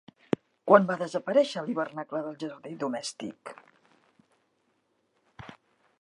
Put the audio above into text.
Quan va desaparèixer l'hivernacle del «jardí domèstic»?